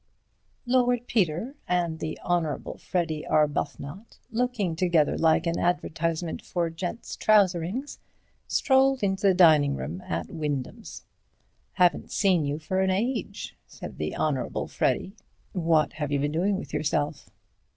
Lord Peter and the Honourable Freddy Arbuthnot, looking together like an advertisement for gents' trouserings, strolled into the dining room at Wyndham's. "Haven't seen you for an age," said the Honourable Freddy, "what have you been doin' with yourself?"